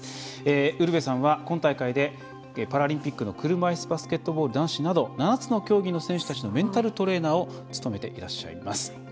ウルヴェさんは今大会でパラリンピックの車いすバスケットボール男子など７つの競技の選手たちのメンタルトレーナーを務めていらっしゃいます。